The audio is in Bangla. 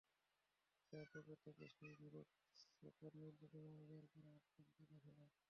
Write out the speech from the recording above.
সাহেব পকেট থেকে সেই মোরগ ছাপা নীল রুমাল বের করে আবদুলকে দেখালেন।